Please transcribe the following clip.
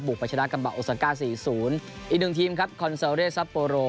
บุกไปชนะกับโอซาก้า๔๐อีกหนึ่งทีมครับคอนเซลเลสัปโปโร